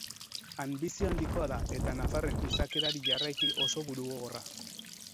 Anbizio handikoa da, eta nafarren izakerari jarraiki, oso burugogorra.